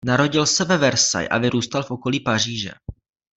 Narodil se ve Versailles a vyrůstal v okolí Paříže.